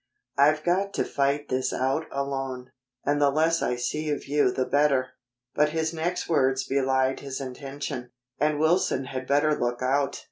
"I've got to fight this out alone, and the less I see of you the better." But his next words belied his intention. "And Wilson had better lookout.